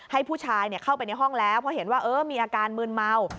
ให้ผู้ชายเข้าไปในห้องแล้วเพราะเห็นว่ามีอาการมืนเมา